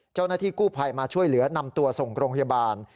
เจ้าหน้าที่กู้ภัยมาช่วยเหลือนำตัวส่งโรงพยาบาล